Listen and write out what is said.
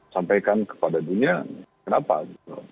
sampaikan kepada dunia kenapa gitu